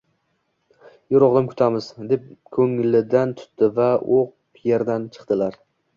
Yur, o'g'lim, ketamiz, — deb ko'lidan tutdi va u yerdan chiqdilar.